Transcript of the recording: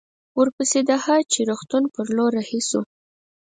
ورپسې د هه چه روغتون پر لور رهي شوو.